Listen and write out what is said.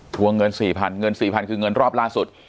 วงเงิน๔๐๐๐เงิน๔๐๐คือเงินรอบล่าสุด